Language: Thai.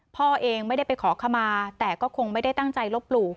พ่อเองไม่ได้ไปขอขมาแต่ก็คงไม่ได้ตั้งใจลบหลู่